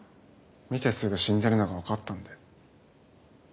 見てすぐ死んでるのが分かったんで。